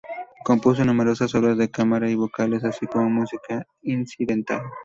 Compuso numerosas obras de cámara y vocales, así como música incidental.